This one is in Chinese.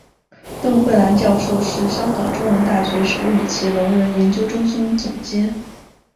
邓慧兰教授是香港中文大学手语及聋人研究中心总监。